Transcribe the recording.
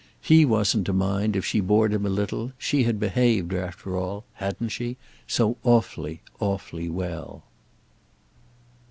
He wasn't to mind if she bored him a little: she had behaved, after all—hadn't she?—so awfully, awfully well.